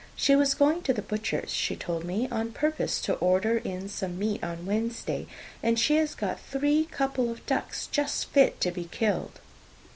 She was going to the butcher's, she told me, on purpose to order in some meat on Wednesday, and she has got three couple of ducks just fit to be killed."